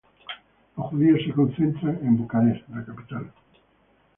Los judíos se concentran en Bucarest, la capital.